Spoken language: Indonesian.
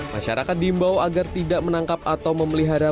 masyarakat diimbau agar tidak menangkap atau memelihara